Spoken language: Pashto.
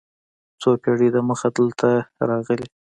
څو پېړۍ دمخه دلته راغلي.